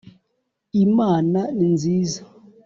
Imana ni nziza